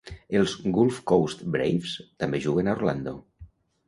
Els Gulf Coast Braves també juguen a Orlando.